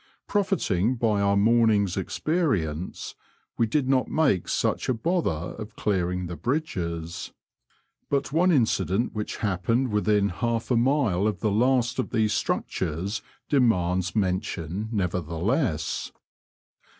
Profiting by our morning's experience, we did not make such a bother of clearing the bridges; but one incident which happened within half a mile of the last of these structures demands mention nevertheless.